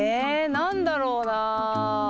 何だろうな。